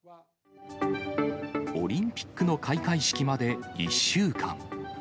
オリンピックの開会式まで１週間。